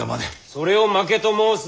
それを負けと申す。